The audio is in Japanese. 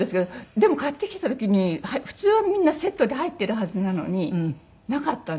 でも買ってきた時に普通はみんなセットで入ってるはずなのになかったんですよね。